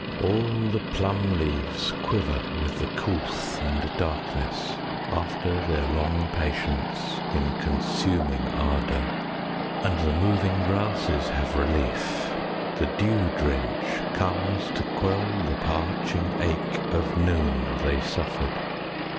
All the plum leaves quiver 5 With the coolth and darkness, After their long patience In consuming ardour. And the moving grasses Have relief; the dew drench 10 Comes to quell the parching Ache of noon they suffered.